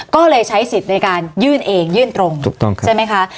ก็เลยใช้สิทธิ์ในการยื่นเองยื่นตรงถูกต้องใช่ไหมคะ